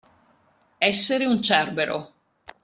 Essere un Cerbero.